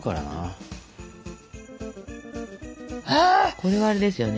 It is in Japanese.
これはあれですよね